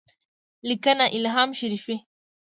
لیکنه : الهام شریفي